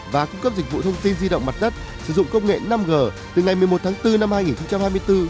và cung cấp dịch vụ thông tin di động mặt đất sử dụng công nghệ năm g từ ngày một mươi một tháng bốn năm hai nghìn hai mươi bốn